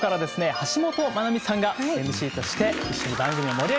橋本マナミさんがＭＣとして一緒に番組を盛り上げてくださいます。